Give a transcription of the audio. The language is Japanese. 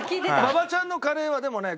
馬場ちゃんのカレーはでもね